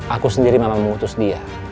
aku sendiri memang memutus dia